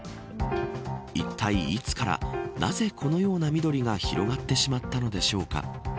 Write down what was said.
いったい、いつからなぜこのような緑が広がってしまったのでしょうか。